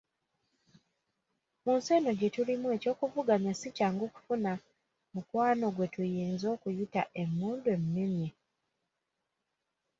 Mu nsi eno gye tulimu ey'okuvuganya si kyangu kufuna mukwano gwe tuyinza okuyita, “emmundu emmenye”